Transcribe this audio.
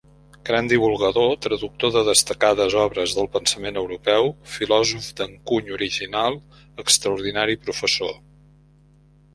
Gran divulgador, traductor de destacades obres del pensament europeu, filòsof d'encuny original, extraordinari professor.